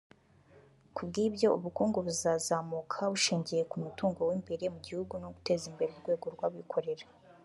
Ku bw’ibyo ubukungu buzazamuka bushingiye ku mutungo w’imbere mu gihugu no guteza imbere urwego rw’abikorera